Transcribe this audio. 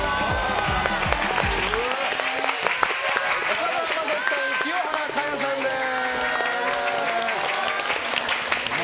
岡田将生さん、清原果耶さんです。